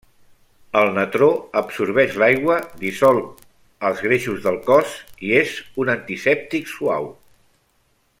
El natró absorbeix l'aigua, dissol els greixos del cos i és un antisèptic suau.